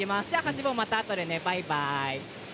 しぼうまたあとでね、バイバイ。